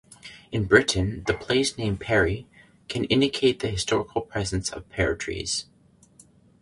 In Britain, the place name "Perry" can indicate the historical presence of pear trees.